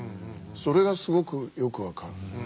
それがすごくよく分かる。